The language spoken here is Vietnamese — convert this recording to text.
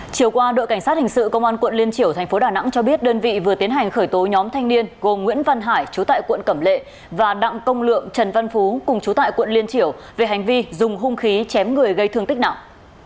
chiều qua đội cảnh sát hình sự công an quận liên triểu thành phố đà nẵng cho biết đơn vị vừa tiến hành khởi tố nhóm thanh niên gồm nguyễn văn hải chú tại quận cẩm lệ và đặng công lượng trần văn phú cùng chú tại quận liên triểu về hành vi dùng hung khí chém người gây thương tích nặng